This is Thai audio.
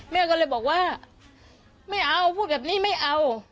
แม่ก็เลยบอกว่าไม่เอาพูดแบบนี้ไม่เอา